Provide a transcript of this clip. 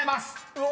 うわ！